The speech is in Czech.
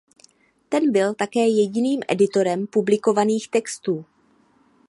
Ten byl také jediným editorem publikovaných textů.